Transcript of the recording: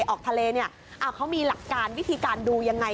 ออกทะเลเนี่ยเขามีหลักการวิธีการดูยังไง